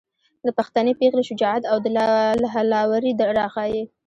د پښتنې پېغلې شجاعت او دلاوري راښايي.